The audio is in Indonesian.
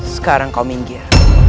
sekarang kau minggir